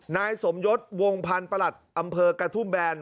นายสมยศวงพันธ์ประหลัดอำเภอกระทุ่มแบน